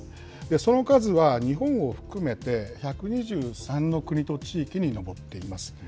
その数は日本を含めて、１２３の国と地域に上っています。